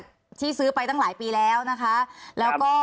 คุณเอกวีสนิทกับเจ้าแม็กซ์แค่ไหนคะ